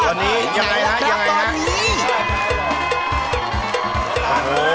ตอนนี้ยังไงนะยังไงนะ